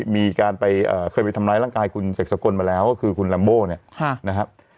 มีการไปเคยไปทำร้ายร่างกายคุณเสกสกลมาแล้วก็คือคุณลัมโบ้เนี่ยนะครับ